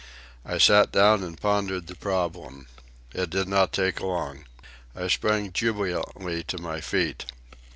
I sat down and pondered the problem. It did not take long. I sprang jubilantly to my feet.